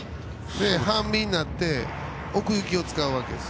半身になって奥行きを使うわけです。